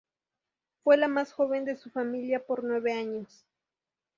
Fue la más joven de su familia por nueve años.